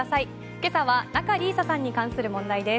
今朝は仲里依紗さんに関する問題です。